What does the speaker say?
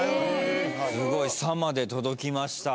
すごい「さ」まで届きました。